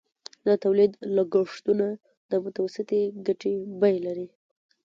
د تولید لګښتونه د متوسطې ګټې بیه لري